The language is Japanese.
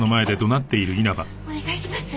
お願いします。